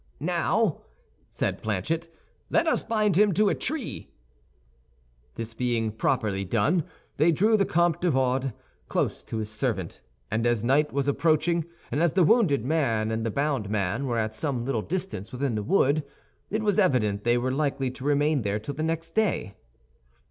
"Now," said Planchet, "let us bind him to a tree." This being properly done, they drew the Comte de Wardes close to his servant; and as night was approaching, and as the wounded man and the bound man were at some little distance within the wood, it was evident they were likely to remain there till the next day.